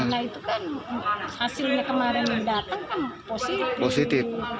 nah itu kan hasilnya kemarin datang kan positif